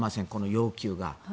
要求が。